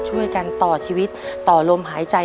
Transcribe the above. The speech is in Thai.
ช่วยกันต่อชีวิตต่อลมหายใจ